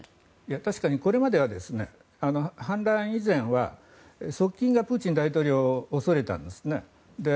確かにこれまでは反乱以前は側近がプーチン大統領を恐れたんですね。